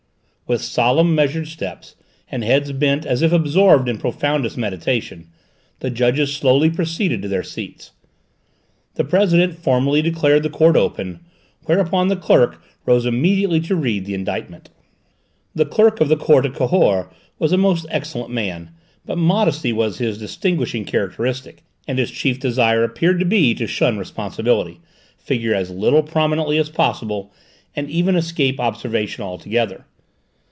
With solemn, measured steps, and heads bent as if absorbed in profoundest meditation, the judges slowly proceeded to their seats. The president formally declared the court open, whereupon the clerk rose immediately to read the indictment. The Clerk of the Court at Cahors was a most excellent man, but modesty was his distinguishing characteristic and his chief desire appeared to be to shun responsibility, figure as little prominently as possible, and even escape observation altogether.